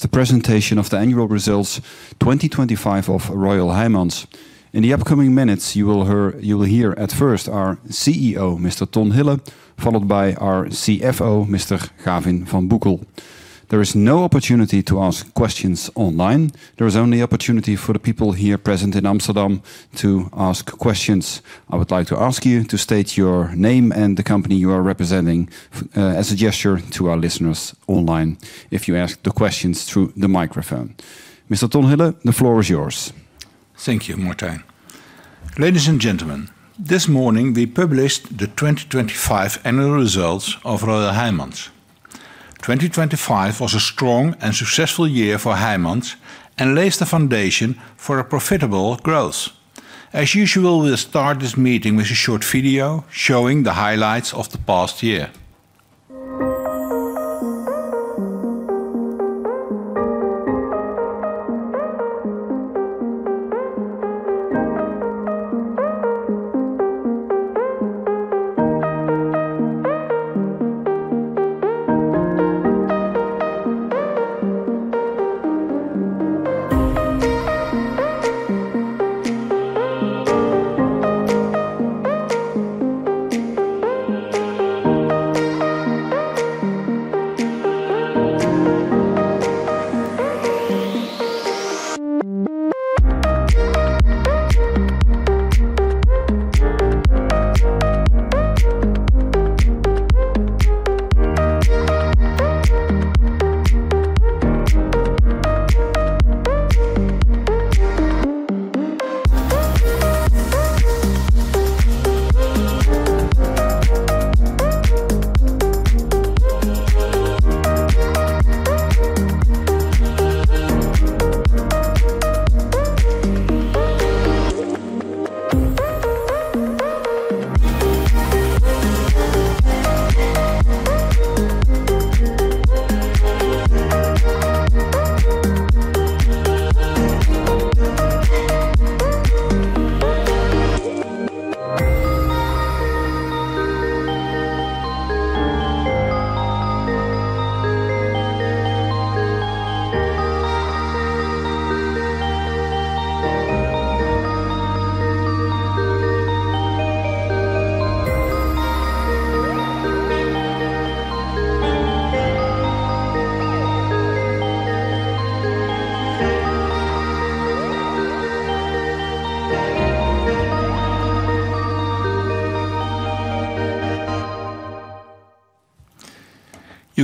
The presentation of The Annual Results 2025 of Royal Heijmans. In the upcoming minutes, you will hear at first our CEO, Mr. Ton Hillen, followed by our CFO, Mr. Gavin van Boekel. There is no opportunity to ask questions online. There is only opportunity for the people here present in Amsterdam to ask questions. I would like to ask you to state your name and the company you are representing, as a gesture to our listeners online, if you ask the questions through the microphone. Mr. Ton Hillen, the floor is yours. Thank you, Martijn. Ladies and gentlemen, this morning we published the 2025 annual results of Royal Heijmans. 2025 was a strong and successful year for Heijmans and lays the foundation for a profitable growth. As usual, we'll start this meeting with a short video showing the highlights of the past year.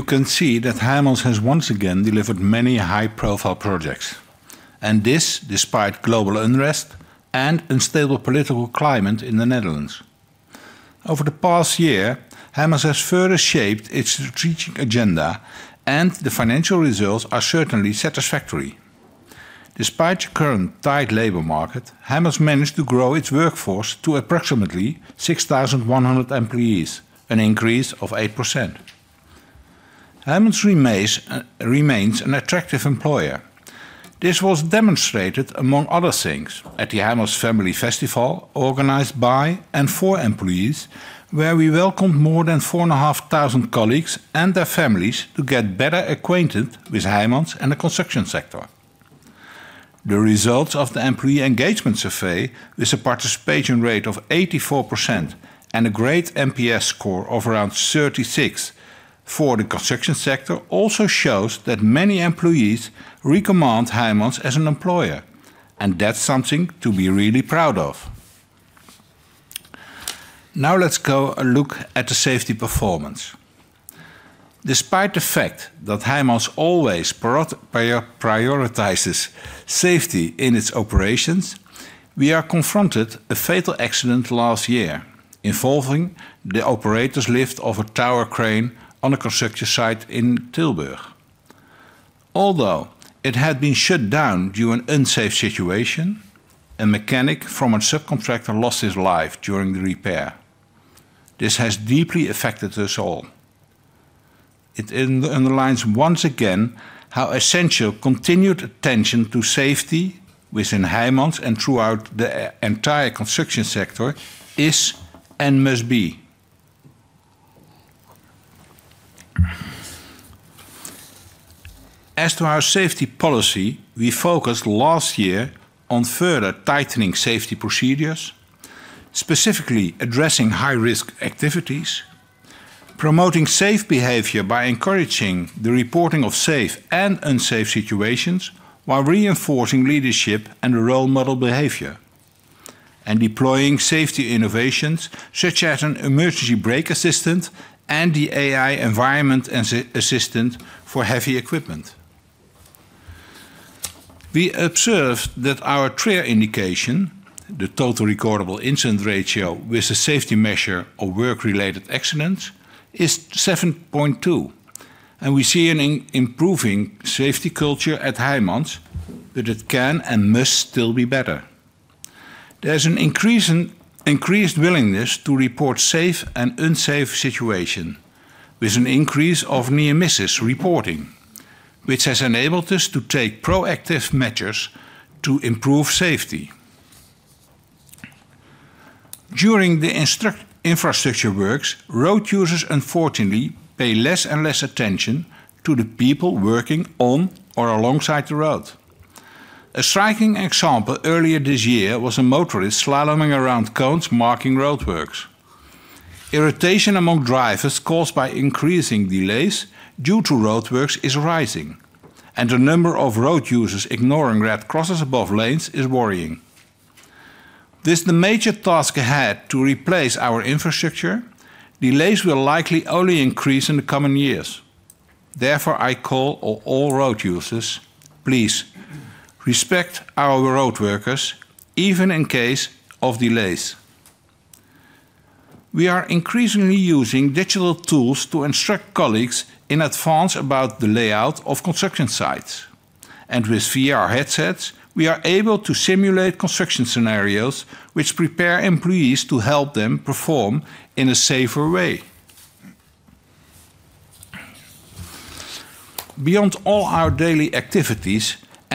You can see that Heijmans has once again delivered many high-profile projects, and this despite global unrest and unstable political climate in the Netherlands. Over the past year, Heijmans has further shaped its strategic agenda, and the financial results are certainly satisfactory. Despite the current tight labor market, Heijmans managed to grow its workforce to approximately 6,100 employees, an increase of 8%. Heijmans remains, remains an attractive employer. This was demonstrated, among other things, at the Heijmans Family Festival, organized by and for employees, where we welcomed more than 4,500 colleagues and their families to get better acquainted with Heijmans and the construction sector. The results of the employee engagement survey, with a participation rate of 84% and a great NPS score of around 36 for the construction sector, also shows that many employees recommend Heijmans as an employer, and that's something to be really proud of. Now, let's go and look at the safety performance. Despite the fact that Heijmans always prioritizes safety in its operations, we were confronted with a fatal accident last year, involving the operator's lift of a tower crane on a construction site in Tilburg. Although it had been shut down due to an unsafe situation, a mechanic from a subcontractor lost his life during the repair. This has deeply affected us all. It underlines, once again, how essential continued attention to safety within Heijmans and throughout the entire construction sector is and must be. As to our safety policy, we focused last year on further tightening safety procedures, specifically addressing high-risk activities, promoting safe behavior by encouraging the reporting of safe and unsafe situations, while reinforcing leadership and role model behavior, and deploying safety innovations such as an emergency brake assistant and the AI environment assistant for heavy equipment. We observed that our TRIR indication, the total recordable incident ratio, with a safety measure of work-related accidents, is 7.2, and we see an improving safety culture at Heijmans, but it can and must still be better. There's an increasing, increased willingness to report safe and unsafe situation, with an increase of near misses reporting, which has enabled us to take proactive measures to improve safety. During the infrastructure works, road users unfortunately pay less and less attention to the people working on or alongside the road. A striking example earlier this year was a motorist slaloming around cones marking roadworks. Irritation among drivers caused by increasing delays due to roadworks is rising, and the number of road users ignoring red crosses above lanes is worrying. With the major task ahead to replace our infrastructure, delays will likely only increase in the coming years. Therefore, I call on all road users, please, respect our road workers, even in case of delays. We are increasingly using digital tools to instruct colleagues in advance about the layout of construction sites, and with VR headsets, we are able to simulate construction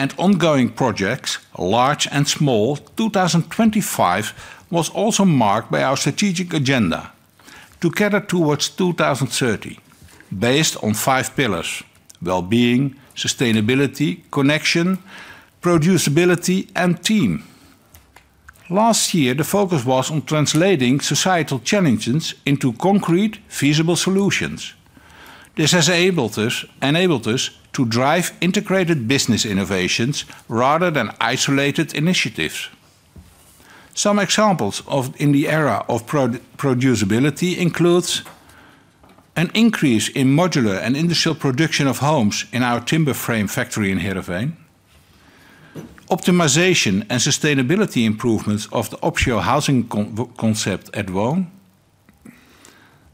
scenarios, which prepare employees to help them perform in a safer way. Beyond all our daily activities and ongoing projects, large and small, 2025 was also marked by our strategic agenda: Together towards 2030, based on five pillars: well-being, sustainability, connection, producibility, and team. Last year, the focus was on translating societal challenges into concrete, feasible solutions. This has enabled us to drive integrated business innovations rather than isolated initiatives. Some examples in the era of productivity includes an increase in modular and industrial production of homes in our timber frame factory in Heerenveen, optimization and sustainability improvements of the offshore housing concept at WOON,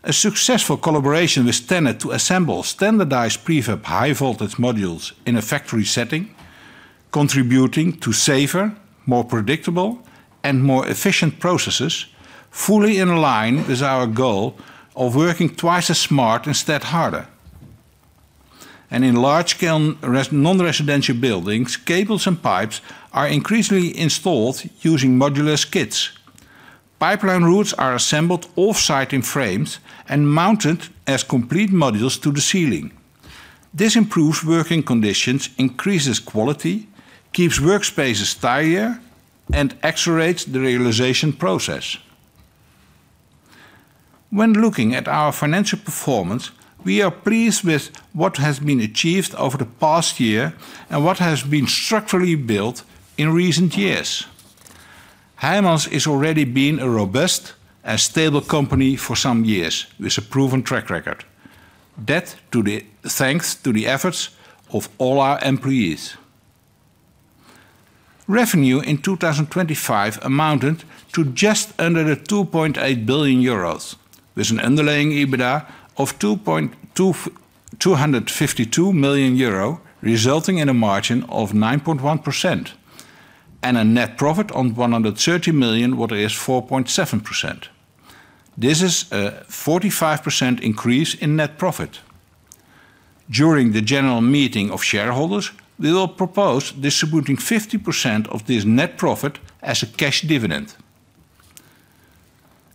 a successful collaboration with TenneT to assemble standardized prefab high-voltage modules in a factory setting, contributing to safer, more predictable, and more efficient processes, fully in line with our goal of working twice as smart instead harder. In large-scale non-residential buildings, cables and pipes are increasingly installed using modular kits. Pipeline routes are assembled off-site in frames and mounted as complete modules to the ceiling. This improves working conditions, increases quality, keeps workspaces tidier, and accelerates the realization process. When looking at our financial performance, we are pleased with what has been achieved over the past year and what has been structurally built in recent years. Heijmans is already been a robust and stable company for some years, with a proven track record. Thanks to the efforts of all our employees. Revenue in 2025 amounted to just under 2.8 billion euros, with an underlying EBITDA of 252.2 million euro, resulting in a margin of 9.1%, and a net profit of 130 million, what is 4.7%. This is a 45% increase in net profit. During the general meeting of shareholders, we will propose distributing 50% of this net profit as a cash dividend.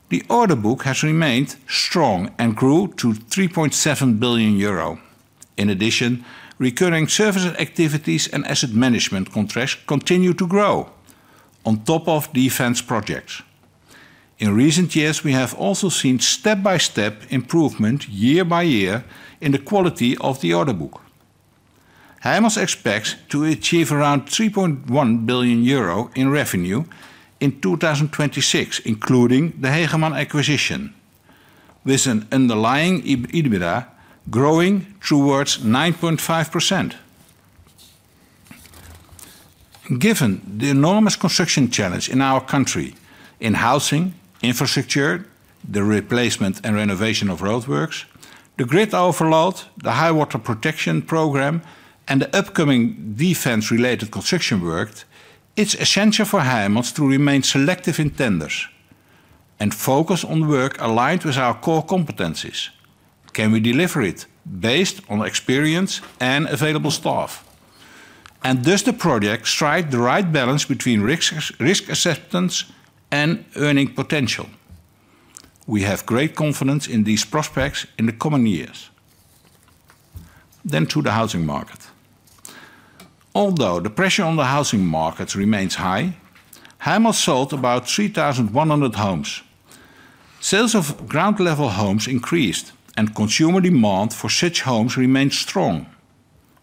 The order book has remained strong and grew to 3.7 billion euro. In addition, recurring service activities and asset management contracts continue to grow on top of defense projects. In recent years, we have also seen step-by-step improvement year by year in the quality of the order book. Heijmans expects to achieve around 3.1 billion euro in revenue in 2026, including the Hegeman acquisition, with an underlying EBITDA growing towards 9.5%. Given the enormous construction challenge in our country, in housing, infrastructure, the replacement and renovation of roadworks, the grid overload, the high water protection program, and the upcoming defense-related construction work, it's essential for Heijmans to remain selective in tenders and focus on work aligned with our core competencies. Can we deliver it based on experience and available staff? And does the project strike the right balance between risk, risk acceptance, and earning potential? We have great confidence in these prospects in the coming years. Then to the housing market. Although the pressure on the housing market remains high, Heijmans sold about 3,100 homes. Sales of ground-level homes increased, and consumer demand for such homes remains strong.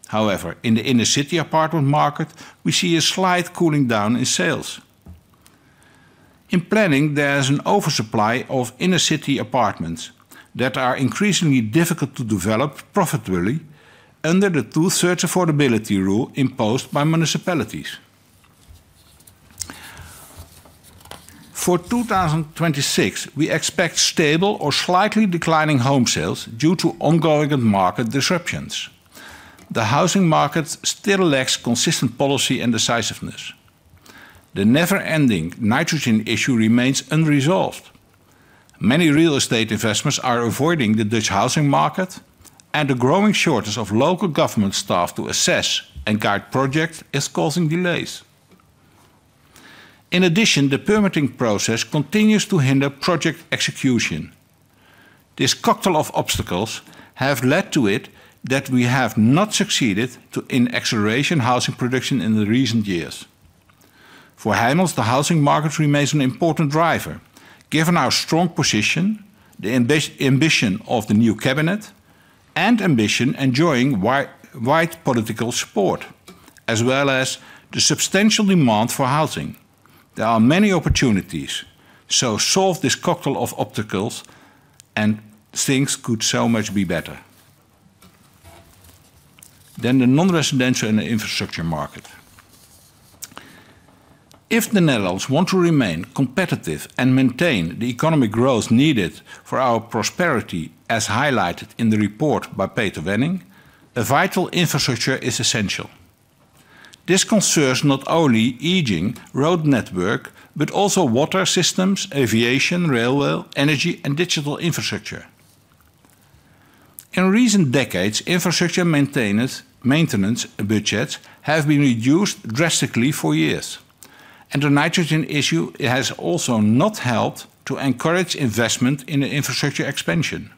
However, in the inner-city apartment market, we see a slight cooling down in sales. In planning, there is an oversupply of inner-city apartments that are increasingly difficult to develop profitably under the two-thirds affordability rule imposed by municipalities. For 2026, we expect stable or slightly declining home sales due to ongoing and market disruptions. The housing market still lacks consistent policy and decisiveness. The never-ending nitrogen issue remains unresolved. Many real estate investments are avoiding the Dutch housing market, and the growing shortage of local government staff to assess and guide projects is causing delays. In addition, the permitting process continues to hinder project execution. This cocktail of obstacles have led to it that we have not succeeded in accelerating housing production in the recent years. For Heijmans, the housing market remains an important driver, given our strong position, the ambition of the new cabinet, and ambition enjoying wide political support, as well as the substantial demand for housing. There are many opportunities to solve this cocktail of obstacles and things could so much be better. Then the non-residential and the infrastructure market. If the Netherlands want to remain competitive and maintain the economic growth needed for our prosperity, as highlighted in the report by Peter Wenning, a vital infrastructure is essential. This concerns not only aging road network, but also water systems, aviation, railway, energy, and digital infrastructure. In recent decades, infrastructure maintenance, maintenance budgets have been reduced drastically for years, and the nitrogen issue has also not helped to encourage investment in infrastructure expansion.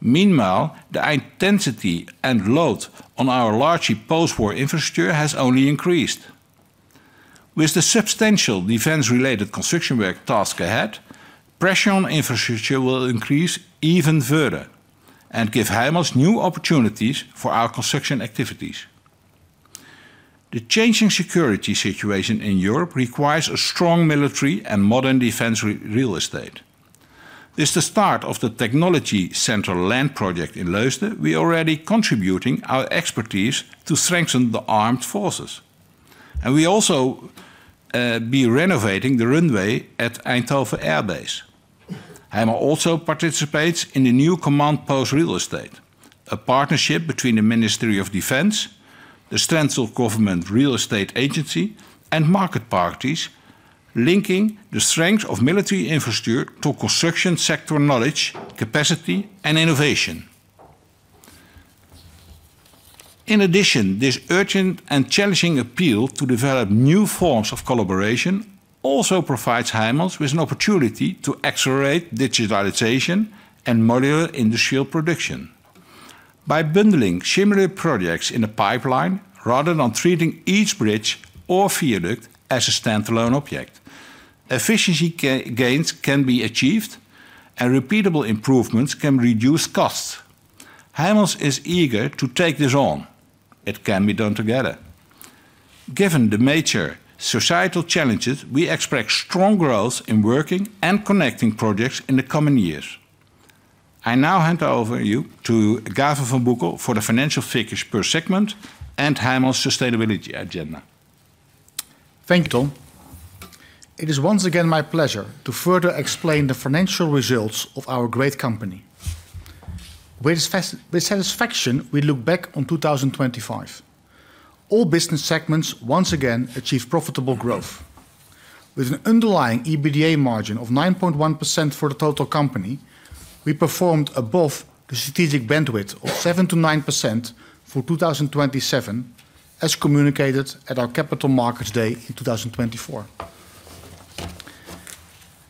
Meanwhile, the intensity and load on our largely post-war infrastructure has only increased. With the substantial defense-related construction work task ahead, pressure on infrastructure will increase even further and give Heijmans new opportunities for our construction activities. The changing security situation in Europe requires a strong military and modern defense real estate. With the start of the Technology Center Land project in Leusden, we're already contributing our expertise to strengthen the armed forces, and we also be renovating the runway at Eindhoven Air Base. Heijmans also participates in the new command post real estate, a partnership between the Ministry of Defense, the Central Government Real Estate Agency, and market parties, linking the strength of military infrastructure to construction sector knowledge, capacity, and innovation. In addition, this urgent and challenging appeal to develop new forms of collaboration also provides Heijmans with an opportunity to accelerate digitalization and modular industrial production. By bundling similar projects in a pipeline, rather than treating each bridge or viaduct as a standalone object, efficiency gains can be achieved, and repeatable improvements can reduce costs. Heijmans is eager to take this on. It can be done together. Given the major societal challenges, we expect strong growth in working and connecting projects in the coming years. I now hand over you to Gavin van Boekel for the financial figures per segment and Heijmans' sustainability agenda. Thank you, Ton. It is once again my pleasure to further explain the financial results of our great company. With satisfaction, we look back on 2025. All business segments once again achieve profitable growth. With an underlying EBITDA margin of 9.1% for the total company, we performed above the strategic bandwidth of 7%-9% for 2027, as communicated at our Capital Markets Day in 2024.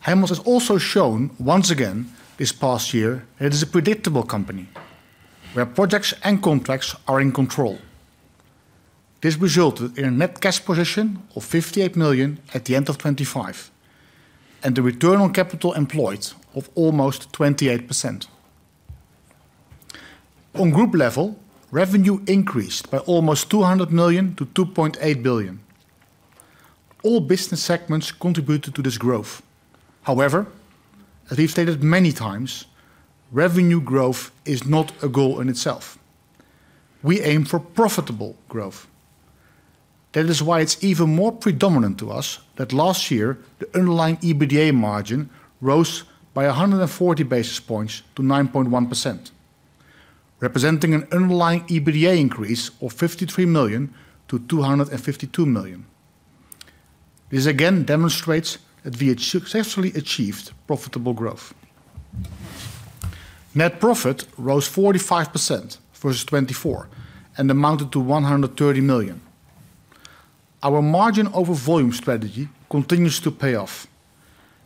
Heijmans has also shown, once again, this past year, that it is a predictable company, where projects and contracts are in control. This resulted in a net cash position of 58 million at the end of 2025, and the return on capital employed of almost 28%. On group level, revenue increased by almost 200 million-2.8 billion. All business segments contributed to this growth. However, as we've stated many times, revenue growth is not a goal in itself. We aim for profitable growth. That is why it's even more predominant to us that last year, the underlying EBITDA margin rose by 140 basis points to 9.1%, representing an underlying EBITDA increase of 53 million-252 million. This again demonstrates that we had successfully achieved profitable growth. Net profit rose 45% versus 2024, and amounted to 130 million. Our margin over volume strategy continues to pay off,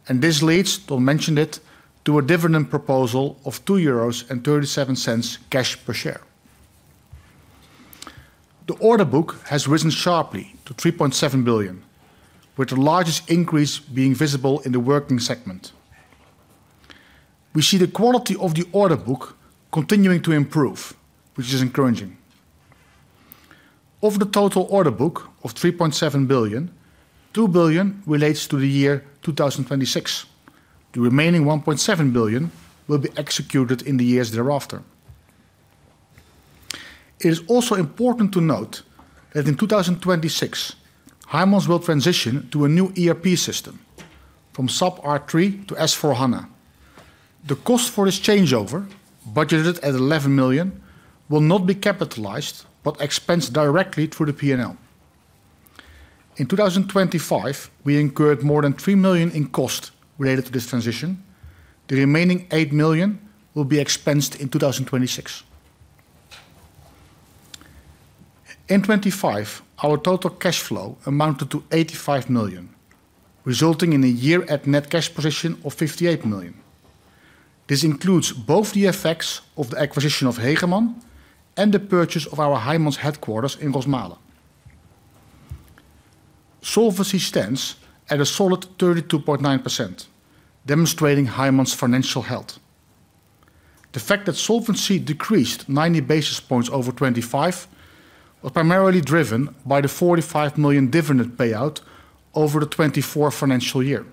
and this leads, Ton mentioned it, to a dividend proposal of 2.37 euros cash per share. The order book has risen sharply to 3.7 billion, with the largest increase being visible in the working segment. We see the quality of the order book continuing to improve, which is encouraging. Of the total order book of 3.7 billion, 2 billion relates to the year 2026. The remaining 1.7 billion will be executed in the years thereafter. It is also important to note that in 2026, Heijmans will transition to a new ERP system, from SAP R/3 to S/4HANA. The cost for this changeover, budgeted at 11 million, will not be capitalized, but expensed directly through the P&L. In 2025, we incurred more than 3 million in cost related to this transition. The remaining 8 million will be expensed in 2026. In 2025, our total cash flow amounted to 85 million, resulting in a year-end net cash position of 58 million. This includes both the effects of the acquisition of Hegeman and the purchase of our Heijmans headquarters in Rosmalen. Solvency stands at a solid 32.9%, demonstrating Heijmans' financial health. The fact that solvency decreased 90 basis points over 2025, was primarily driven by the 45 million dividend payout over the 2024 financial year.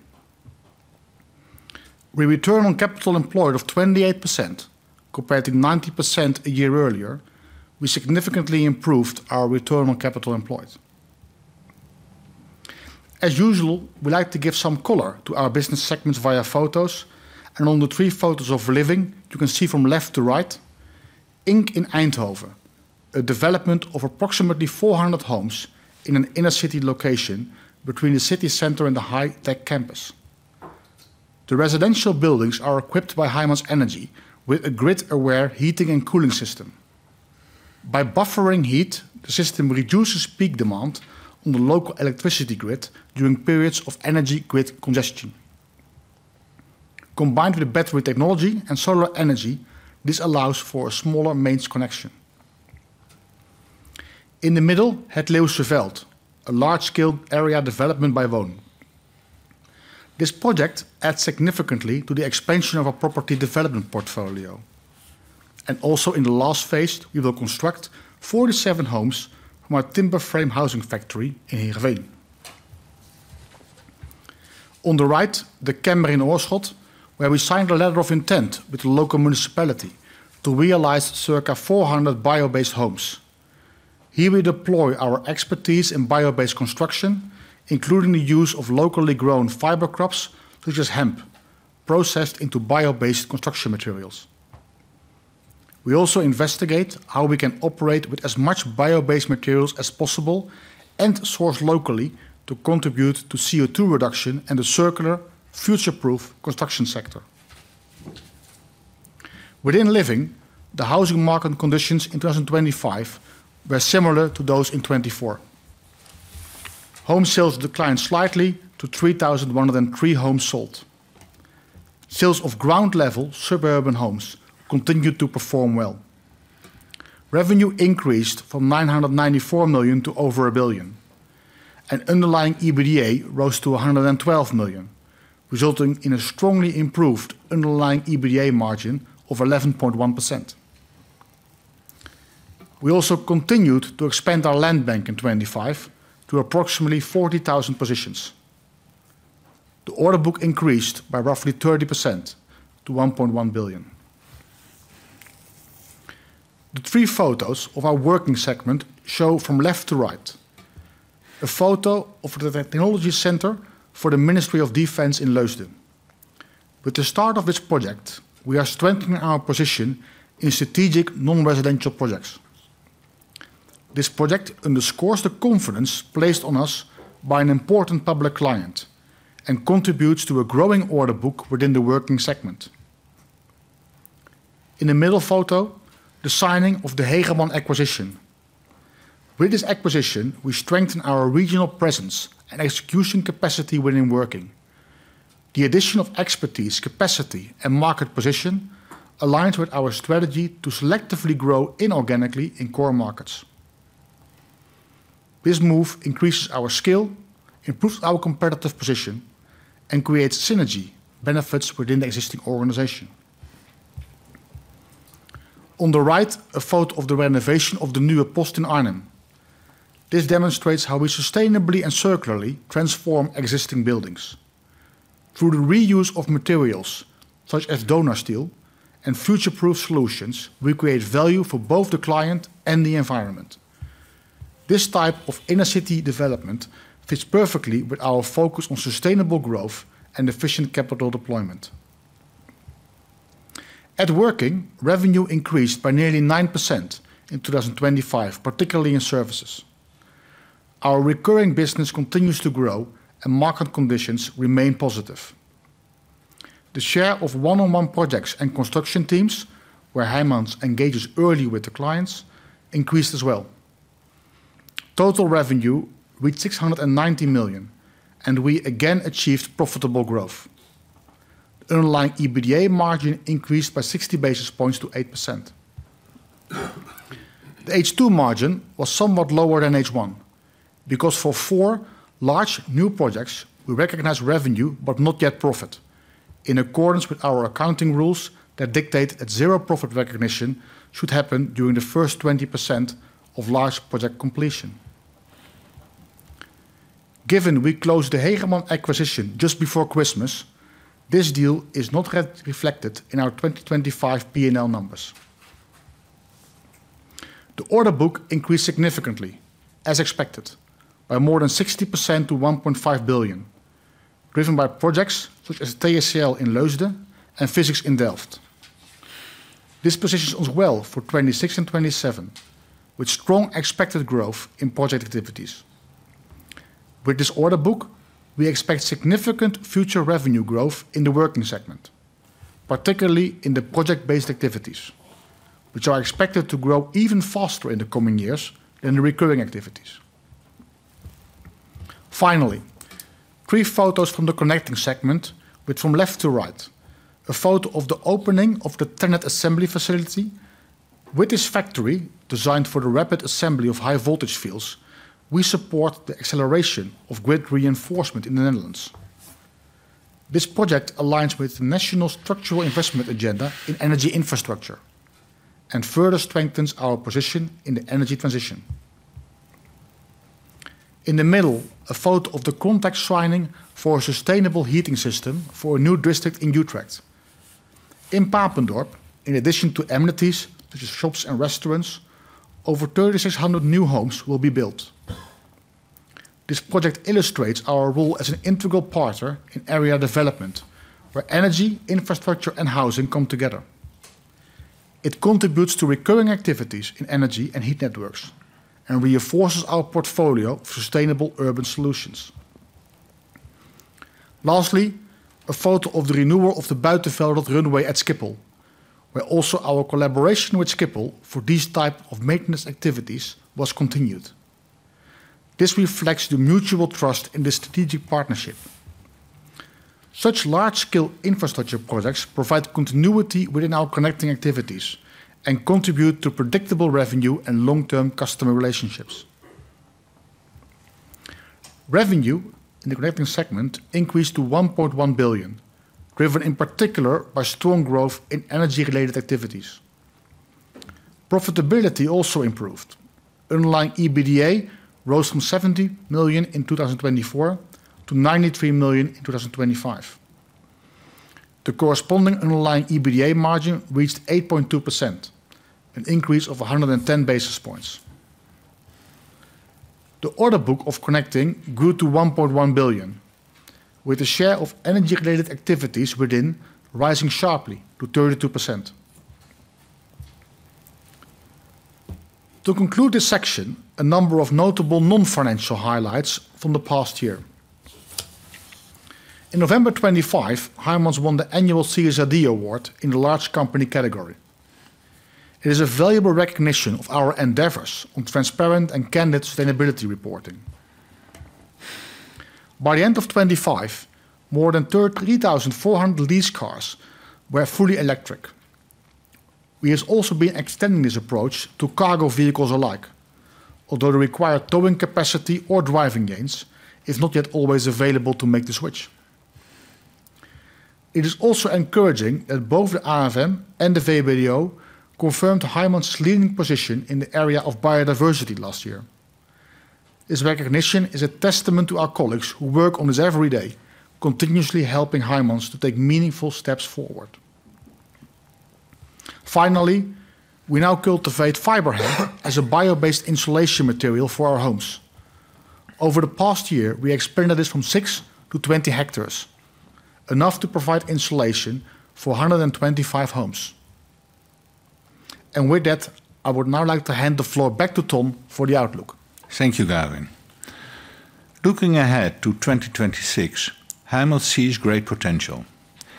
With return on capital employed of 28%, compared to 90% a year earlier, we significantly improved our return on capital employed. As usual, we like to give some color to our business segments via photos, and on the three photos of living, you can see from left to right, INK in Eindhoven, a development of approximately 400 homes in an inner-city location between the city center and the high-tech campus. The residential buildings are equipped by Heijmans Energy, with a grid-aware heating and cooling system. By buffering heat, the system reduces peak demand on the local electricity grid during periods of energy grid congestion. Combined with battery technology and solar energy, this allows for a smaller mains connection. In the middle, Het Leusveld, a large-scale area development by WOON. This project adds significantly to the expansion of our property development portfolio, and also in the last phase, we will construct 47 homes from our timber frame housing factory in Heerenveen. On the right, the Kempen in Oirschot, where we signed a letter of intent with the local municipality to realize circa 400 bio-based homes. Here we deploy our expertise in bio-based construction, including the use of locally grown fiber crops, such as hemp, processed into bio-based construction materials. We also investigate how we can operate with as much bio-based materials as possible and source locally to contribute to CO2 reduction and a circular future-proof construction sector. Within living, the housing market conditions in 2025 were similar to those in 2024. Home sales declined slightly to 3,103 homes sold. Sales of ground-level suburban homes continued to perform well. Revenue increased from 994 million to over 1 billion, and underlying EBITDA rose to 112 million, resulting in a strongly improved underlying EBITDA margin of 11.1%. We also continued to expand our land bank in 2025 to approximately 40,000 positions. The order book increased by roughly 30% to 1.1 billion. The three photos of our working segment show from left to right, a photo of the technology center for the Ministry of Defense in Leusden. With the start of this project, we are strengthening our position in strategic non-residential projects. This project underscores the confidence placed on us by an important public client and contributes to a growing order book within the working segment. In the middle photo, the signing of the Hegeman acquisition. With this acquisition, we strengthen our regional presence and execution capacity within working. The addition of expertise, capacity, and market position aligns with our strategy to selectively grow inorganically in core markets. This move increases our skill, improves our competitive position, and creates synergy benefits within the existing organization. On the right, a photo of the renovation of the Nieuwe Post in Arnhem. This demonstrates how we sustainably and circularly transform existing buildings. Through the reuse of materials, such as donor steel and future-proof solutions, we create value for both the client and the environment. This type of inner-city development fits perfectly with our focus on sustainable growth and efficient capital deployment. At working, revenue increased by nearly 9% in 2025, particularly in services. Our recurring business continues to grow, and market conditions remain positive. The share of one-on-one projects and construction teams, where Heijmans engages early with the clients, increased as well. Total revenue reached 690 million, and we again achieved profitable growth. The underlying EBITDA margin increased by 60 basis points to 8%. The H2 margin was somewhat lower than H1, because for four large new projects, we recognized revenue but not yet profit, in accordance with our accounting rules that dictate that zero profit recognition should happen during the first 20% of large project completion. Given we closed the Hegeman acquisition just before Christmas, this deal is not yet reflected in our 2025 P&L numbers. The order book increased significantly, as expected, by more than 60% to 1.5 billion, driven by projects such as TCL in Leusden and Physics in Delft.... This positions us well for 2026 and 2027, with strong expected growth in project activities. With this order book, we expect significant future revenue growth in the working segment, particularly in the project-based activities, which are expected to grow even faster in the coming years than the recurring activities. Finally, three photos from the Connecting segment, with from left to right, a photo of the opening of the TenneT assembly facility. With this factory, designed for the rapid assembly of high voltage fields, we support the acceleration of grid reinforcement in the Netherlands. This project aligns with the National Structural Investment Agenda in energy infrastructure, and further strengthens our position in the energy transition. In the middle, a photo of the contract signing for a sustainable heating system for a new district in Utrecht. In Papendorp, in addition to amenities, such as shops and restaurants, over 3,600 new homes will be built. This project illustrates our role as an integral partner in area development, where energy, infrastructure, and housing come together. It contributes to recurring activities in energy and heat networks and reinforces our portfolio of sustainable urban solutions. Lastly, a photo of the renewal of the Buitenveldert runway at Schiphol, where also our collaboration with Schiphol for these type of maintenance activities was continued. This reflects the mutual trust in the strategic partnership. Such large-scale infrastructure projects provide continuity within our connecting activities and contribute to predictable revenue and long-term customer relationships. Revenue in the Connecting segment increased to 1.1 billion, driven in particular by strong growth in energy-related activities. Profitability also improved. Underlying EBITDA rose from 70 million in 2024 to 93 million in 2025. The corresponding underlying EBITDA margin reached 8.2%, an increase of 110 basis points. The order book of Connecting grew to 1.1 billion, with a share of energy-related activities within rising sharply to 32%. To conclude this section, a number of notable non-financial highlights from the past year. In November 2025, Heijmans won the annual CSRD Award in the Large Company category. It is a valuable recognition of our endeavors on transparent and candid sustainability reporting. By the end of 2025, more than 33,400 lease cars were fully electric. We have also been extending this approach to cargo vehicles alike, although the required towing capacity or driving gains is not yet always available to make the switch. It is also encouraging that both the AFM and the VBDO confirmed Heijmans' leading position in the area of biodiversity last year. This recognition is a testament to our colleagues who work on this every day, continuously helping Heijmans to take meaningful steps forward. Finally, we now cultivate fiber hemp as a bio-based insulation material for our homes. Over the past year, we expanded this from 6 to 20 hectares, enough to provide insulation for 125 homes. With that, I would now like to hand the floor back to Ton for the outlook. Thank you, Gavin. Looking ahead to 2026, Heijmans sees great potential.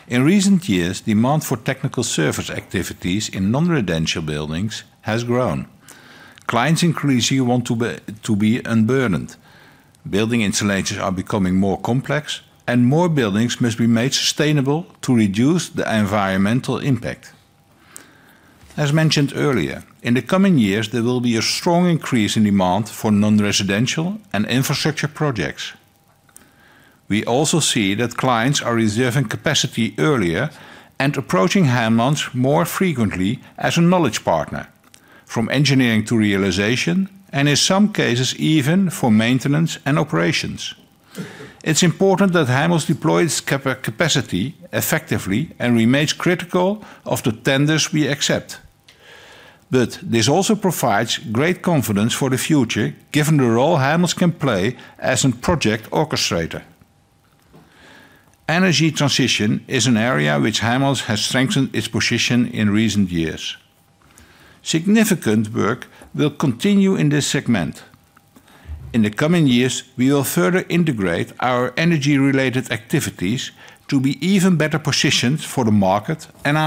In recent years, demand for technical service activities in non-residential buildings has grown. Clients increasingly want to be, to be unburdened. Building installations are becoming more complex, and more buildings must be made sustainable to reduce the environmental impact. As mentioned earlier, in the coming years, there will be a strong increase in demand for non-residential and infrastructure projects. We also see that clients are reserving capacity earlier and approaching Heijmans more frequently as a knowledge partner, from engineering to realization, and in some cases even for maintenance and operations. It's important that Heijmans deploy its capacity effectively and remains critical of the tenders we accept. But this also provides great confidence for the future, given the role Heijmans can play as a project orchestrator. Energy transition is an area which Heijmans has strengthened its position in recent years. Significant work will continue in this segment. In the coming years, we will further integrate our energy-related activities to be even better positioned for the market and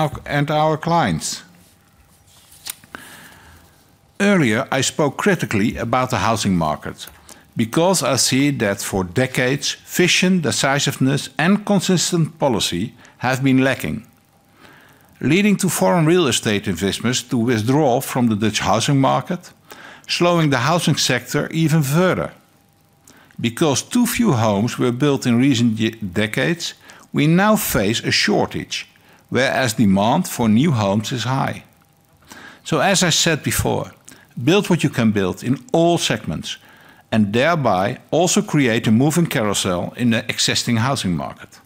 our clients. Earlier, I spoke critically about the housing market, because I see that for decades, vision, decisiveness, and consistent policy have been lacking, leading to foreign real estate investors to withdraw from the Dutch housing market, slowing the housing sector even further. Because too few homes were built in recent decades, we now face a shortage, whereas demand for new homes is high. So, as I said before, build what you can build in all segments and thereby also create a moving carousel in the existing housing market.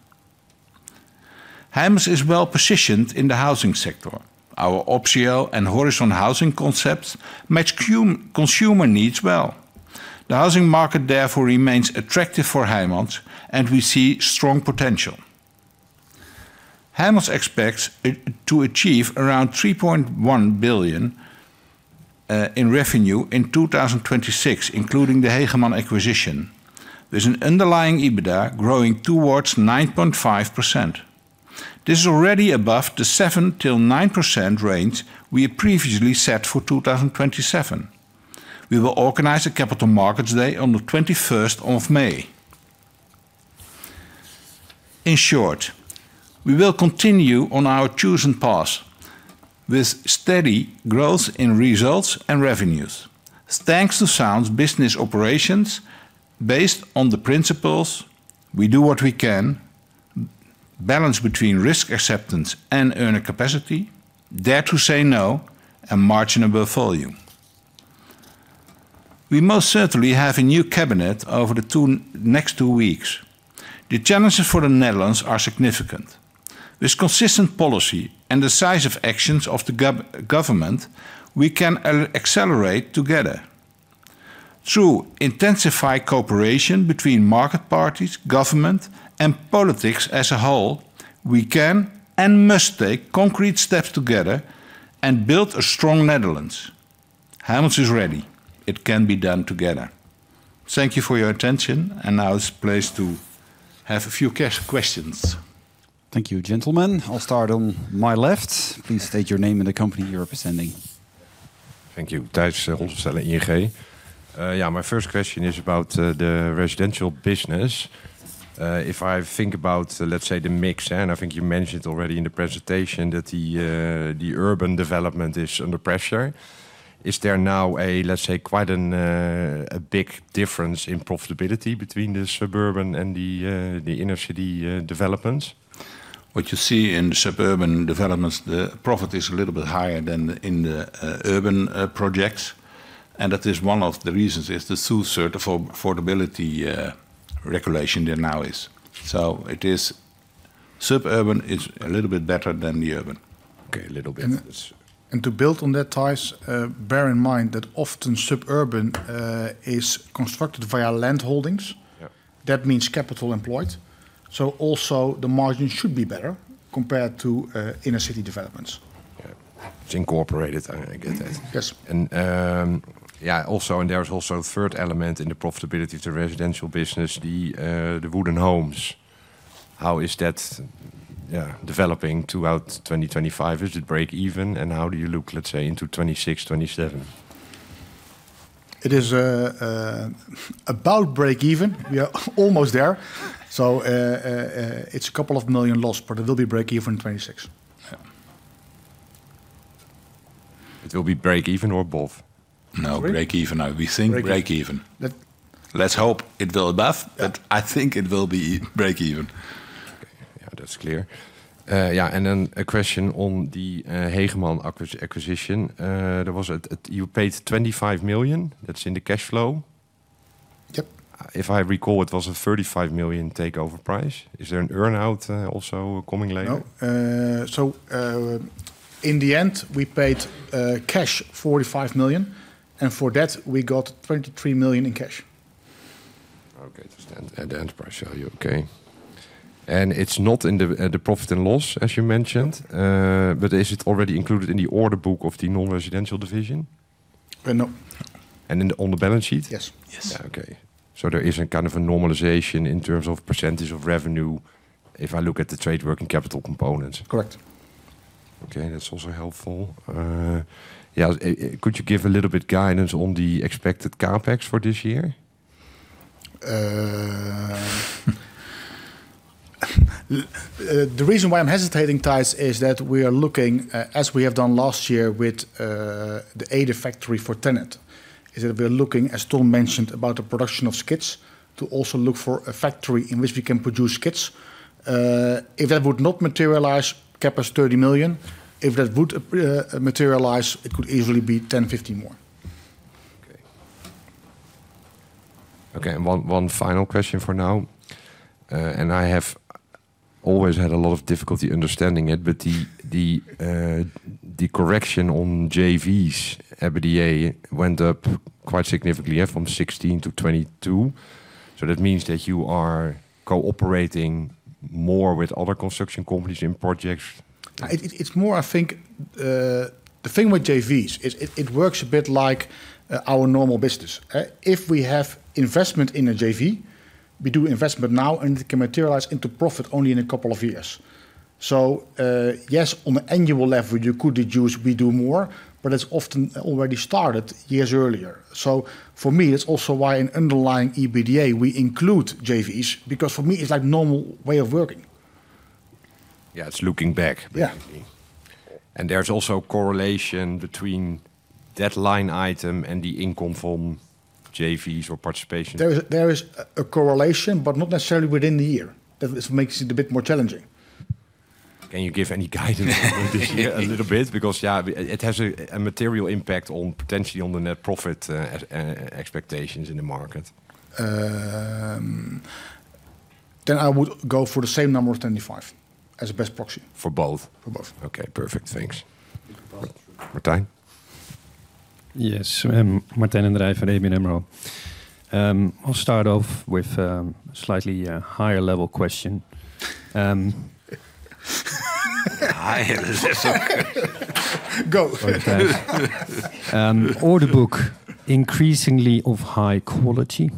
Heijmans is well-positioned in the housing sector. Our Optio and Horizon housing concepts match consumer needs well. The housing market therefore remains attractive for Heijmans, and we see strong potential. Heijmans expects it to achieve around 3.1 billion in revenue in 2026, including the Hegeman acquisition, with an underlying EBITDA growing towards 9.5%. This is already above the 7%-9% range we had previously set for 2027. We will organize a capital markets day on the 21st of May. In short, we will continue on our chosen path with steady growth in results and revenues. Thanks to sound business operations based on the principles: we do what we can, balance between risk acceptance and earning capacity, dare to say no, and margin above volume. We most certainly have a new cabinet over the next two weeks. The challenges for the Netherlands are significant. With consistent policy and the size of actions of the government, we can accelerate together. Through intensified cooperation between market parties, government, and politics as a whole, we can and must take concrete steps together and build a strong Netherlands. Heijmans is ready. It can be done together. Thank you for your attention, and now it's time to have a few questions. Thank you, gentlemen. I'll start on my left. Please state your name and the company you're representing. Thank you. Tijs Hollestelle, ING. Yeah, my first question is about the residential business. If I think about, let's say, the mix, and I think you mentioned already in the presentation that the urban development is under pressure. Is there now a, let's say, quite a big difference in profitability between the suburban and the inner-city developments? What you see in the suburban developments, the profit is a little bit higher than in the urban projects, and that is one of the reasons, is the source for affordability regulation there now is. So it is... Suburban is a little bit better than the urban. Okay, a little bit. To build on that, Thijs, bear in mind that often suburban is constructed via land holdings. That means capital employed, so also the margin should be better compared to inner-city developments. Yeah, it's incorporated. I get that. Yes. Also, there's a third element in the profitability of the residential business, the wooden homes. How is that developing throughout 2025? Is it break even, and how do you look, let's say, into 2026, 2027? It is about break even. We are almost there. So, it's a 2 million loss, but it will be break even in 2026. Yeah. It will be break even or above? No, break even. Break- We think break even. That- Let's hope it will above but I think it will be break even. Yeah, that's clear. Yeah, and then a question on the Hegeman acquisition. There was a. You paid 25 million, that's in the cash flow. Yep. If I recall, it was a 35 million takeover price. Is there an earn-out, also coming later? No. So, in the end, we paid cash 45 million, and for that we got 23 million in cash. Okay, to stand at the enterprise value. Okay. And it's not in the, the profit and loss, as you mentioned but is it already included in the order book of the non-residential division? Uh, no. On the balance sheet? Yes. Yeah. Okay. So there is a kind of a normalization in terms of percentage of revenue if I look at the trade working capital components? Correct. Okay, that's also helpful. Could you give a little bit guidance on the expected CapEx for this year? The reason why I'm hesitating, Thijs, is that we are looking, as we have done last year with, the ADA factory for TenneT, is that we're looking, as Tom mentioned, about the production of skids, to also look for a factory in which we can produce skids. If that would not materialize, CapEx 30 million. If that would materialize, it could easily be 10, 15 more. Okay. One final question for now. I have always had a lot of difficulty understanding it, but the correction on JVs, EBITDA went up quite significantly, yeah, from 16 to 22. So that means that you are cooperating more with other construction companies in projects? It's more, I think. The thing with JVs is, it works a bit like our normal business. If we have investment in a JV, we do investment now, and it can materialize into profit only in a couple of years. So, yes, on an annual level, you could deduce we do more, but it's often already started years earlier. So for me, it's also why in underlying EBITDA, we include JVs, because for me, it's like normal way of working. Yeah, it's looking back- Yeah... basically. And there's also correlation between that line item and the income from JVs or participation? There is, there is a correlation, but not necessarily within the year. That is what makes it a bit more challenging. Can you give any guidance a little bit? Because, yeah, it has a material impact on, potentially on the net profit expectations in the market. I would go for the same number of 25 as the best proxy. For both? For both. Okay, perfect. Thanks. Martijn? Yes, Martijn den Drijver from ABN AMRO. I'll start off with slightly a higher level question. I... Go. Okay. Order book increasingly of high quality.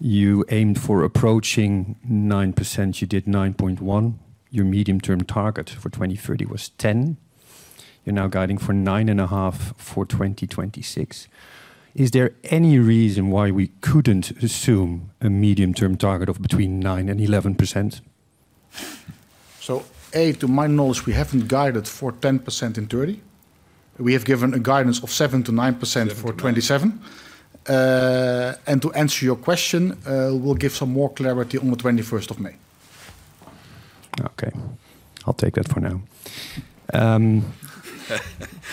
You aimed for approaching 9%, you did 9.1. Your medium-term target for 2030 was 10. You're now guiding for 9.5 for 2026. Is there any reason why we couldn't assume a medium-term target of between 9% and 11%? A, to my knowledge, we haven't guided for 10% in 2030. We have given a guidance of 7%-9%. 7-9... for 2027. To answer your question, we'll give some more clarity on the 21st of May. Okay, I'll take that for now.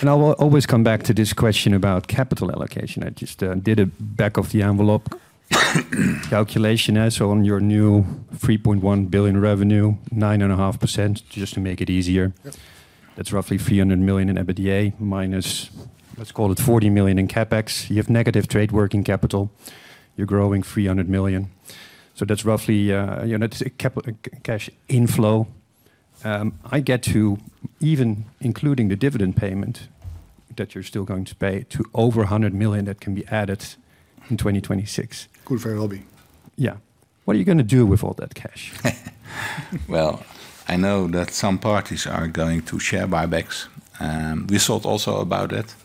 And I will always come back to this question about capital allocation. I just did a back-of-the-envelope calculation as on your new 3.1 billion revenue, 9.5%, just to make it easier. Yep. That's roughly 300 million in EBITDA, minus, let's call it 40 million in CapEx. You have negative trade working capital. You're growing 300 million, so that's roughly, you know, cash inflow. I get to even including the dividend payment, that you're still going to pay to over 100 million, that can be added in 2026. Could very well be. Yeah. What are you gonna do with all that cash? Well, I know that some parties are going to share buybacks, we thought also about it.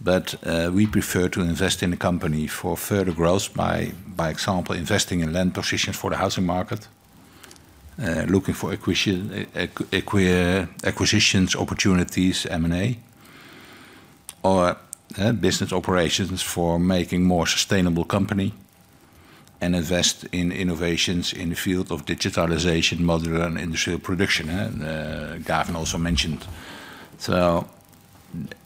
But, we prefer to invest in the company for further growth by, by example, investing in land positions for the housing market, looking for acquisitions, opportunities, M&A, or, business operations for making more sustainable company, and invest in innovations in the field of digitalization, modular and industrial production, Gavin also mentioned. So,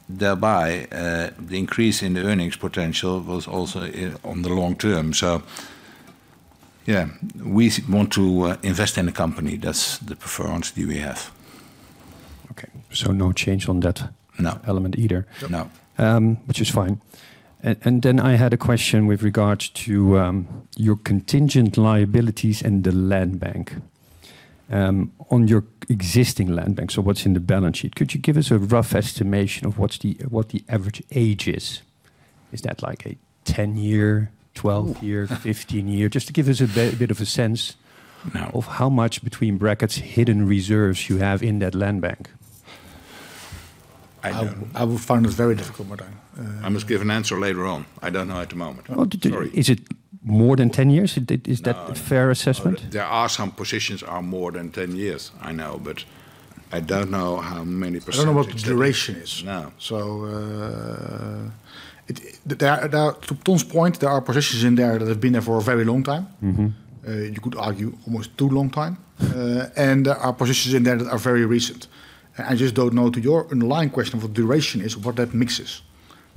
thereby, the increase in the earnings potential was also in the long term. So, yeah, we want to invest in the company. That's the priority we have. Okay. So no change on that. No... element either? No. Which is fine. And then I had a question with regards to your contingent liabilities and the land bank. On your existing land bank, so what's in the balance sheet? Could you give us a rough estimation of what the average age is? Is that like a 10-year, 12-year- Ooh!... 15-year? Just to give us a bit of a sense- Now- - of how much, between brackets, hidden reserves you have in that land bank? I don't- I would find this very difficult, Martijn. I must give an answer later on. I don't know at the moment. Well, did you- Sorry. Is it more than 10 years? Did, is that- No... a fair assessment? There are some positions are more than 10 years, I know, but I don't know how many percentage- I don't know what the duration is. No. So, there are, to Ton's point, there are positions in there that have been there for a very long time. You could argue almost too long time. There are positions in there that are very recent. I just don't know, to your underlying question of what duration is, what that mix is.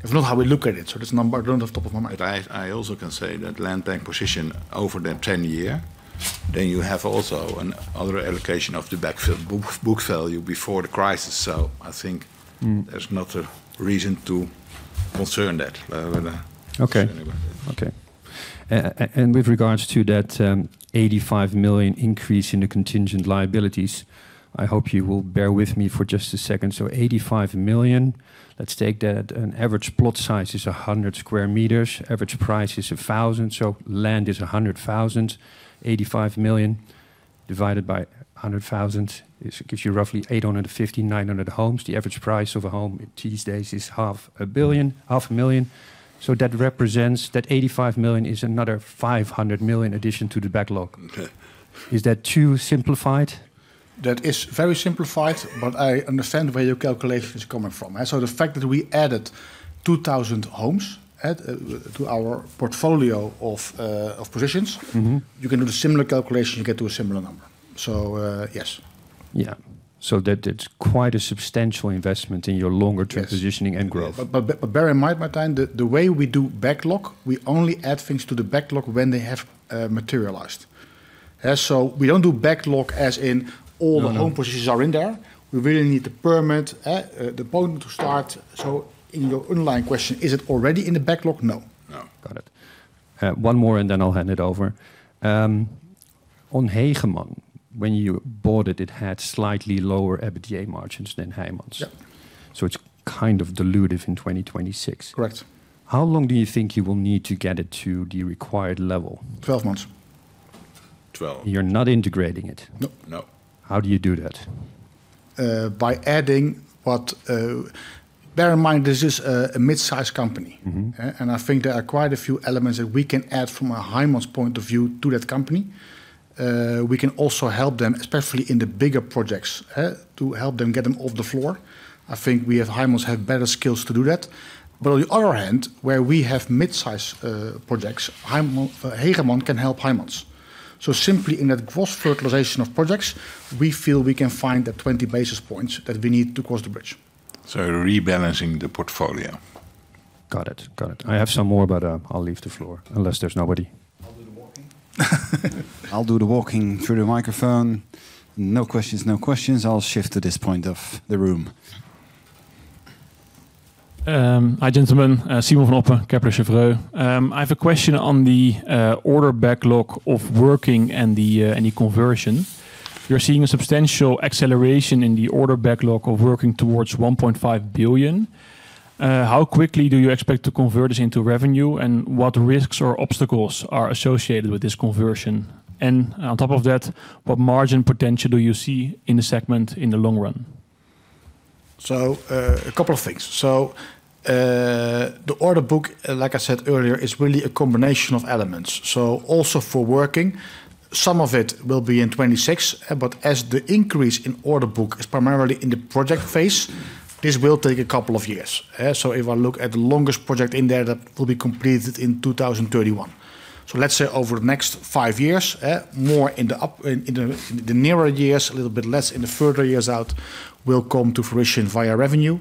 It's not how we look at it, so this number I don't have top of mind. I also can say that land bank position over the 10-year, then you have also another allocation of the backlog book value before the crisis. So I think there's not a reason to concern that, with- Okay. Anyway. Okay. And with regards to that, eighty-five million increase in the contingent liabilities, I hope you will bear with me for just a second. So 85 million, let's take that an average plot size is 100 square meters. Average price is 1,000, so land is 100,000. 85 million divided by 100,000, is, gives you roughly 850-900 homes. The average price of a home these days is 500 million... EUR 500,000. So that represents that 85 million is another 500 million addition to the backlog. Okay. Is that too simplified? That is very simplified, but I understand where your calculation is coming from. And so the fact that we added 2,000 homes, at, to our portfolio of positions you can do the similar calculation, you get to a similar number. So, yes. Yeah. So that it's quite a substantial investment in your longer- Yes... term positioning and growth. But bear in mind, Martijn, the way we do backlog, we only add things to the backlog when they have materialized. So we don't do backlog, as in all- No, no... the home positions are in there. We really need the permit to start. So in your underlying question, is it already in the backlog? No. No. Got it. One more, and then I'll hand it over. On Hegeman, when you bought it, it had slightly lower EBITDA margins than Heijmans? Yep. It's kind of dilutive in 2026. Correct. How long do you think you will need to get it to the required level? 12 months. 12. You're not integrating it? Nope. No. How do you do that? By adding what... Bear in mind, this is a mid-sized company. I think there are quite a few elements that we can add from a Heijmans point of view to that company. We can also help them, especially in the bigger projects, to help them get them off the floor. I think we at Heijmans have better skills to do that. But on the other hand, where we have mid-size projects, Heijmans, Hegeman can help Heijmans. So simply in that cross-fertilization of projects, we feel we can find the 20 basis points that we need to cross the bridge. So rebalancing the portfolio? Got it, got it. I have some more, but, I'll leave the floor, unless there's nobody. I'll do the walking. I'll do the walking through the microphone. No questions, no questions. I'll shift to this point of the room. Hi, gentlemen. Simon van Oppen, Kepler Cheuvreux. I have a question on the, order backlog of working and the, and the conversion. We are seeing a substantial acceleration in the order backlog of working towards 1.5 billion. How quickly do you expect to convert this into revenue? And what risks or obstacles are associated with this conversion? And on top of that, what margin potential do you see in the segment in the long run? So, a couple of things. So, the order book, like I said earlier, is really a combination of elements. So also for working, some of it will be in 2026, but as the increase in order book is primarily in the project phase, this will take a couple of years? So if I look at the longest project in there, that will be completed in 2031. So let's say over the next five years, more in the nearer years, a little bit less in the further years out, will come to fruition via revenue.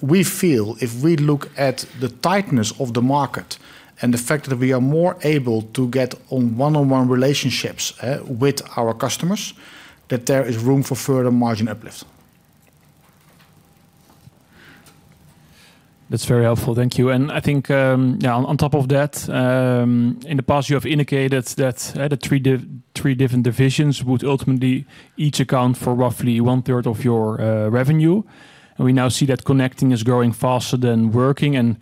We feel if we look at the tightness of the market and the fact that we are more able to get on one-on-one relationships with our customers, that there is room for further margin uplift. That's very helpful. Thank you. And I think, yeah, on top of that, in the past, you have indicated that the three different divisions would ultimately each account for roughly one third of your revenue. And we now see that connecting is growing faster than working, and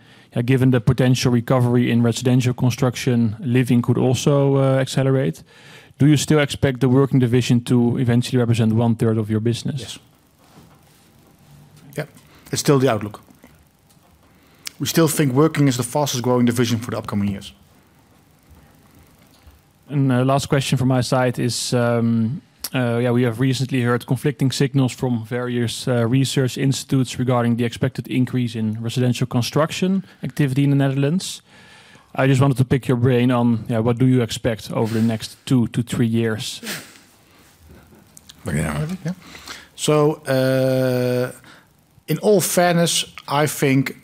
given the potential recovery in residential construction, living could also accelerate. Do you still expect the working division to eventually represent one third of your business? Yes. Yep, it's still the outlook. We still think working is the fastest growing division for the upcoming years. Last question from my side is, yeah, we have recently heard conflicting signals from various research institutes regarding the expected increase in residential construction activity in the Netherlands. I just wanted to pick your brain on, yeah, what do you expect over the next two to three years? Yeah. Yeah. So, in all fairness, I think,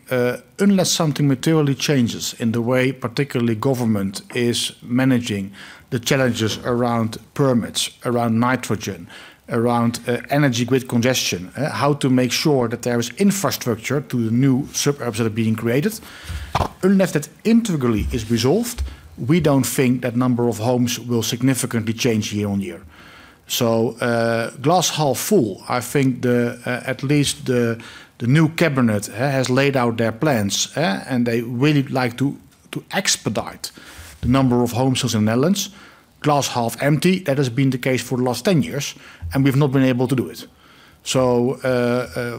unless something materially changes in the way, particularly government is managing the challenges around permits, around nitrogen, around, energy grid congestion, how to make sure that there is infrastructure to the new suburbs that are being created. Unless that integrally is resolved, we don't think that number of homes will significantly change year on year. So, glass half full, I think the, at least the, the new cabinet, has laid out their plans, and they really like to, to expedite the number of homes in the Netherlands. Glass half empty, that has been the case for the last 10 years, and we've not been able to do it. So,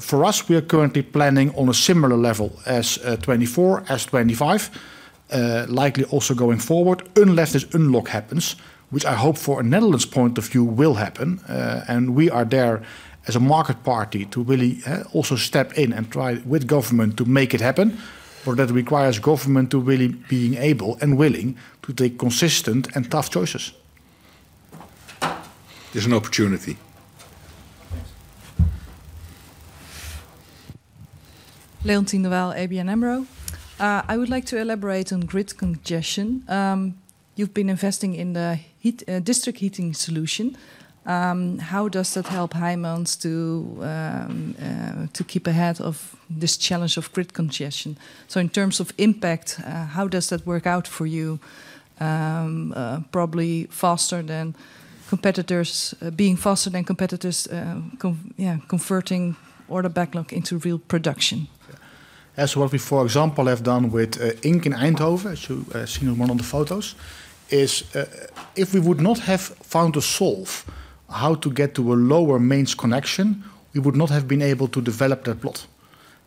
for us, we are currently planning on a similar level as 2024, as 2025, likely also going forward, unless this unlock happens, which I hope for a Netherlands point of view will happen. And we are there as a market party to really also step in and try with government to make it happen. But that requires government to really being able and willing to take consistent and tough choices. There's an opportunity. Leontien Newell, ABN AMRO. I would like to elaborate on grid congestion. You've been investing in the heat, district heating solution. How does that help Heijmans to keep ahead of this challenge of grid congestion? So in terms of impact, how does that work out for you? Probably faster than competitors... Being faster than competitors, converting order backlog into real production. As what we, for example, have done with INC in Eindhoven, as you seen in one of the photos, is if we would not have found a solve how to get to a lower mains connection, we would not have been able to develop that plot.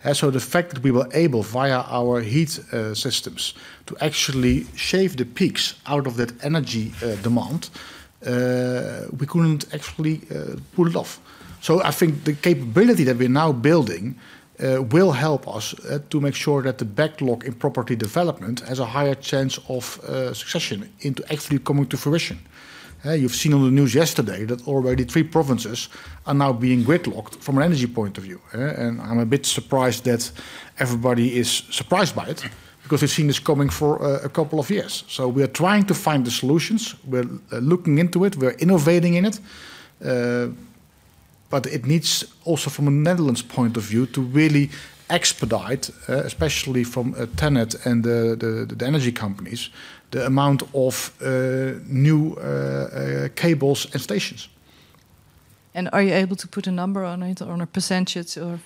And so the fact that we were able, via our heat systems, to actually shave the peaks out of that energy demand, we couldn't actually pull it off. So I think the capability that we're now building will help us to make sure that the backlog in property development has a higher chance of succession into actually coming to fruition. You've seen on the news yesterday that already three provinces are now being gridlocked from an energy point of view. I'm a bit surprised that everybody is surprised by it, because we've seen this coming for a couple of years. So we are trying to find the solutions. We're looking into it, we're innovating in it, but it needs also from a Netherlands point of view to really expedite, especially from TenneT and the energy companies, the amount of new cables and stations. Are you able to put a number on it or a percentage of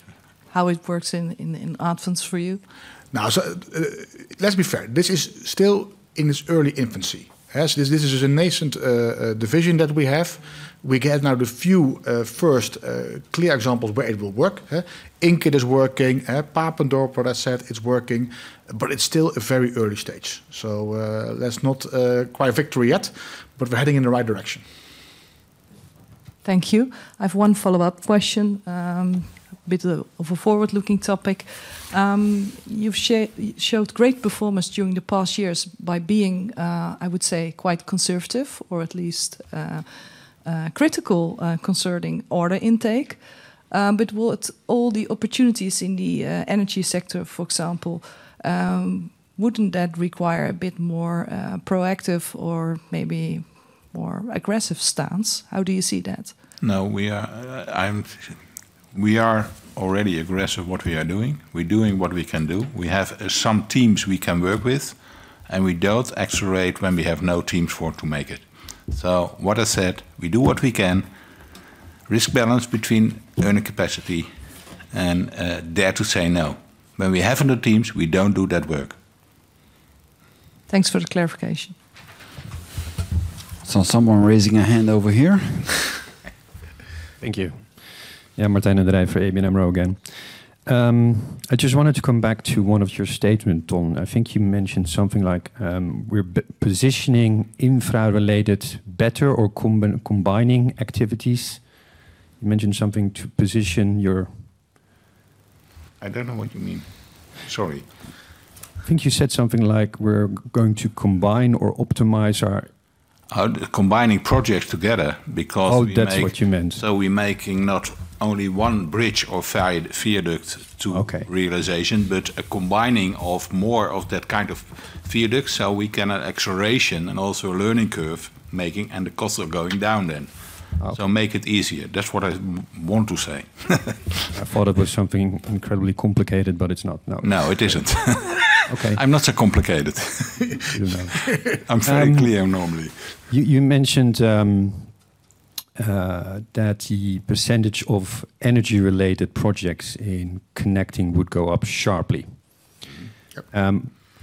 how it works in advance for you? Now, so, let's be fair, this is still in its early infancy, yes. This is a nascent division that we have. We get now the few first clear examples where it will work, eh? INK, it is working. Papendorp, what I said, it's working, but it's still a very early stage. So, that's not quite a victory yet, but we're heading in the right direction. Thank you. I have one follow-up question, bit of a forward-looking topic. You've showed great performance during the past years by being, I would say, quite conservative or at least critical concerning order intake. But with all the opportunities in the energy sector, for example, wouldn't that require a bit more proactive or maybe more aggressive stance? How do you see that? No, we are. We are already aggressive what we are doing. We're doing what we can do. We have some teams we can work with, and we don't accelerate when we have no teams for to make it. So what I said, we do what we can, risk balance between earning capacity and dare to say no. When we have no teams, we don't do that work. Thanks for the clarification. Someone raising a hand over here. Thank you. Yeah, Martijn den Drijver for ABN AMRO again. I just wanted to come back to one of your statement, Ton. I think you mentioned something like, we're positioning infra-related better or combining activities. You mentioned something to position your... I don't know what you mean. Sorry. I think you said something like, "We're going to combine or optimize our- Combining projects together because we make- Oh, that's what you meant. So we're making not only one bridge or viaduct to- Okay... realization, but a combining of more of that kind of viaduct, so we can acceleration and also learning curve making, and the costs are going down then. Oh. Make it easier. That's what I want to say. I thought it was something incredibly complicated, but it's not. No. No, it isn't. Okay. I'm not so complicated. You're not. I'm very clear normally. You mentioned that the percentage of energy-related projects in Connecting would go up sharply. Yep.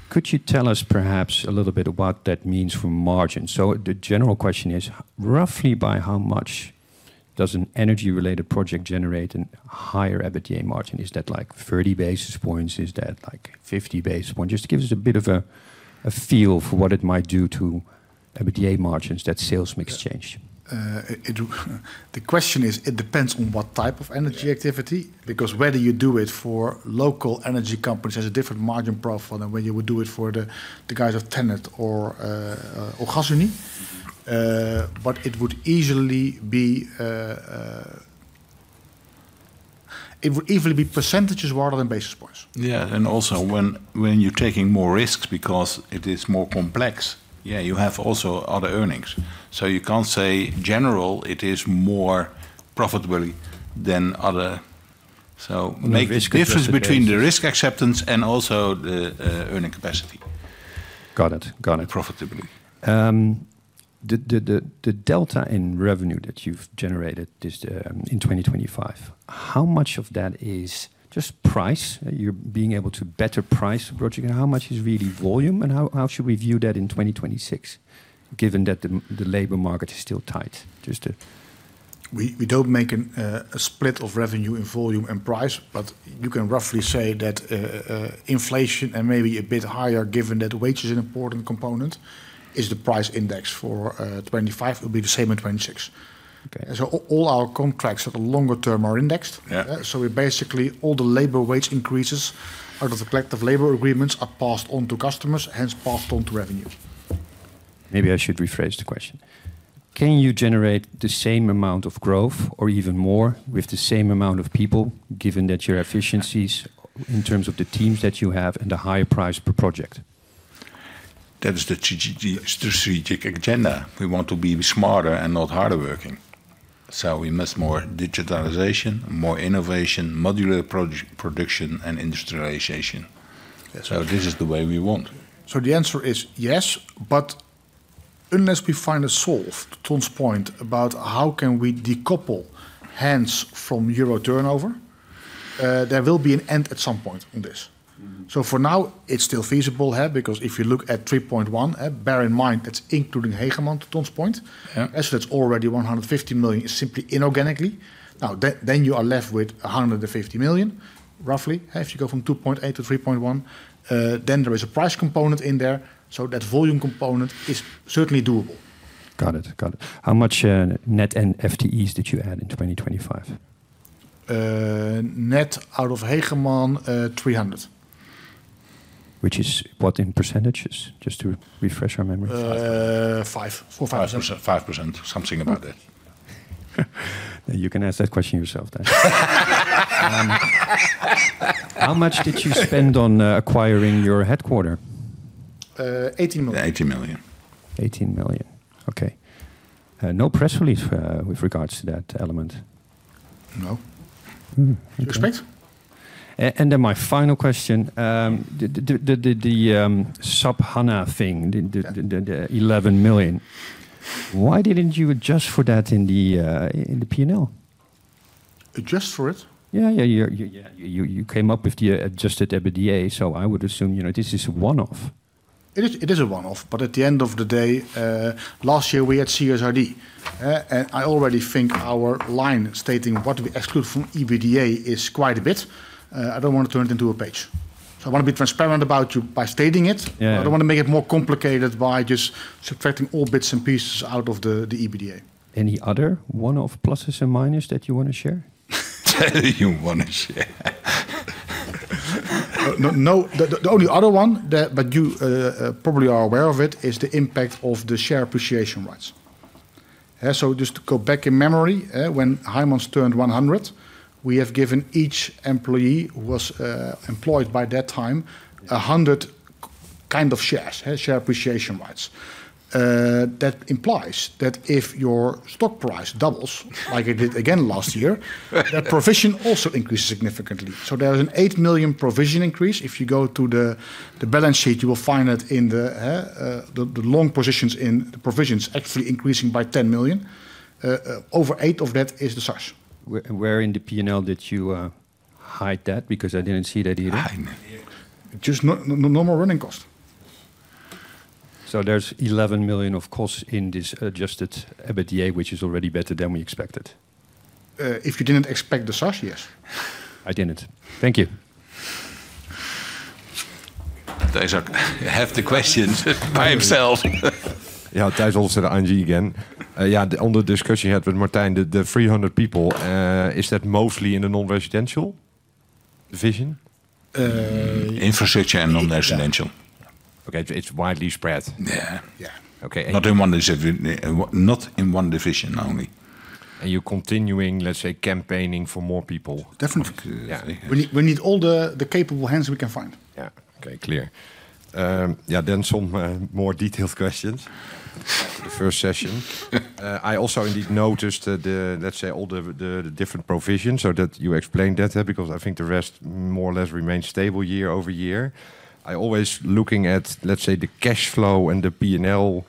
Could you tell us perhaps a little bit what that means for margin? So the general question is, roughly by how much does an energy-related project generate a higher EBITDA margin? Is that, like, 30 basis points? Is that, like, 50 basis point? Just give us a bit of a feel for what it might do to EBITDA margins, that sales mix change. The question is, it depends on what type of energy activity because whether you do it for local energy companies has a different margin profile than when you would do it for the guys of TenneT or, or Gasunie. But it would easily be percentages rather than basis points. Yeah, and also when you're taking more risks because it is more complex, yeah, you have also other earnings. So you can't say in general, it is more profitable than others. So- Risk acceptance... make difference between the risk acceptance and also the earning capacity. Got it. Got it. Profitably. The delta in revenue that you've generated this in 2025, how much of that is just price? You're being able to better price a project, and how much is really volume, and how should we view that in 2026, given that the labor market is still tight? Just to- We don't make a split of revenue in volume and price, but you can roughly say that inflation and maybe a bit higher, given that wage is an important component, is the price index for 2025. It will be the same in 2026. Okay. All our contracts at the longer term are indexed. Yeah. So we basically, all the labor wage increases out of the collective labor agreements are passed on to customers, hence passed on to revenue. Maybe I should rephrase the question. Can you generate the same amount of growth or even more with the same amount of people, given that your efficiencies in terms of the teams that you have and the higher price per project? That is the strategic agenda. We want to be smarter and not harder working, so we miss more digitalization, more innovation, modular production, and industrialization. Yes. This is the way we want. The answer is yes, but unless we find a solve, Ton's point about how can we decouple Heijmans from EUR turnover, there will be an end at some point in this. So for now, it's still feasible, huh? Because if you look at 3.1, bear in mind, that's including Hegeman, to Ton's point. Yeah. As that's already 150 million is simply inorganically. Now, that, then you are left with 150 million, roughly, huh? If you go from 2.8 to 3.1, then there is a price component in there, so that volume component is certainly doable. Got it. Got it. How much, net and FTEs did you add in 2025? Net out of Hegeman, 300. Which is what in percentages? Just to refresh our memory. 5%. Five or five- 5%. 5%, something about that. You can ask that question yourself then. How much did you spend on acquiring your headquarters? 18 million. 18 million. 18 million. Okay. No press release with regards to that element? No. You expect? And then my final question, the S/4HANA thing, the 11 million, why didn't you adjust for that in the P&L? Adjust for it? Yeah, you came up with the Adjusted EBITDA, so I would assume, you know, this is a one-off. It is, it is a one-off, but at the end of the day, last year, we had CSRD. I already think our line stating what we exclude from EBITDA is quite a bit. I don't want to turn it into a page.... So I want to be transparent about you by stating it. Yeah. I don't want to make it more complicated by just subtracting all bits and pieces out of the EBITDA. Any other one of pluses and minuses that you want to share? No, no, the only other one that, but you probably are aware of it, is the impact of the share appreciation rights. So just to go back in memory, when Heijmans turned 100, we have given each employee who was employed by that time, 100 kind of shares, share appreciation rights. That implies that if your stock price doubles, like it did again last year, that provision also increases significantly. So there is an 8 million provision increase. If you go to the balance sheet, you will find that in the long positions in the provisions actually increasing by 10 million. Over eight of that is the SARs. Where in the P&L did you hide that? Because I didn't see that here. Just no, no, normal running cost. There's 11 million of costs in this Adjusted EBITDA, which is already better than we expected. If you didn't expect the SARs, yes. I didn't. Thank you. Thijs have the questions by himself. Yeah, Tijs Hollestelle again. Yeah, on the discussion you had with Martijn, the 300 people, is that mostly in the non-residential division? Uh- Infrastructure and non-residential. Okay. It's widely spread. Yeah. Yeah. Okay. Not in one division only. Are you continuing, let's say, campaigning for more people? Definitely. Yeah. We need all the capable hands we can find. Yeah. Okay, clear. Yeah, then some more detailed questions for the first session. I also indeed noticed that the... Let's say, all the different provisions, so that you explained that, because I think the rest more or less remains stable year over year. I always looking at, let's say, the cash flow and the P&L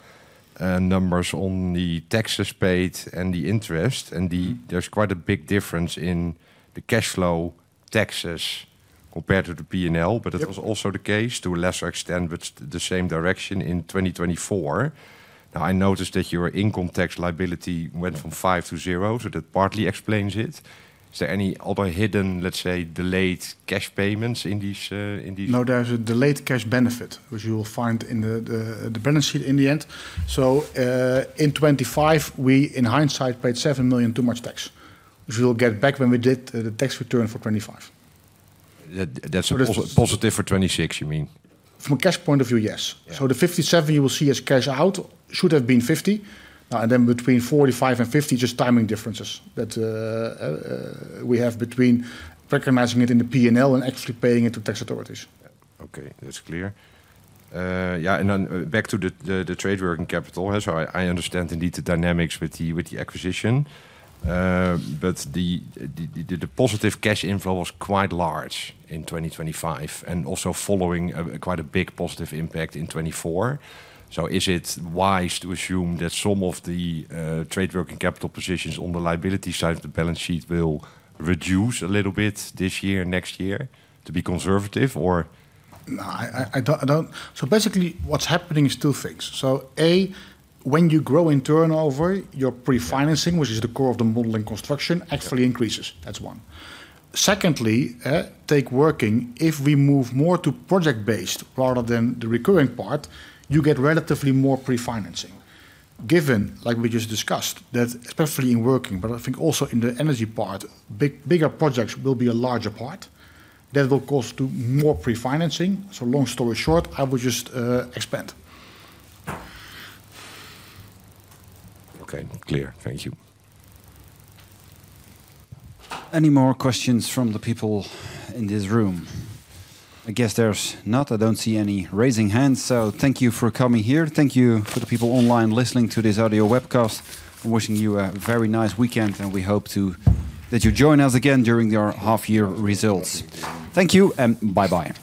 numbers on the taxes paid and the interest, and there's quite a big difference in the cash flow taxes compared to the P&L. Yep. It was also the case, to a lesser extent, but the same direction in 2024. Now, I noticed that your income tax liability went from 5 to 0, so that partly explains it. Is there any other hidden, let's say, delayed cash payments in these, in these- No, there's a delayed cash benefit, which you will find in the balance sheet in the end. So, in 2025, we, in hindsight, paid 7 million too much tax, which we'll get back when we did the tax return for 2025. That's a positive for 2026, you mean? From a cash point of view, yes. Yeah. So the 57 you will see as cash out, should have been 50, and then between 45 and 50, just timing differences that we have between recognizing it in the P&L and actually paying it to tax authorities. Okay, that's clear. Yeah, and then back to the trade working capital. So I understand indeed the dynamics with the acquisition, but the positive cash inflow was quite large in 2025, and also following quite a big positive impact in 2024. So is it wise to assume that some of the trade working capital positions on the liability side of the balance sheet will reduce a little bit this year, next year, to be conservative or? No, I don't... So basically, what's happening is two things: so, A, when you grow in turnover, your pre-financing, which is the core of the model in construction, actually increases. That's one. Secondly, take working, if we move more to project-based rather than the recurring part, you get relatively more pre-financing. Given, like we just discussed, that especially in working, but I think also in the energy part, bigger projects will be a larger part that will cost to more pre-financing. So long story short, I would just expand. Okay, clear. Thank you. Any more questions from the people in this room? I guess there's not, I don't see any raising hands, so thank you for coming here. Thank you for the people online listening to this audio webcast. I'm wishing you a very nice weekend, and we hope that you join us again during our half year results. Thank you, and bye-bye.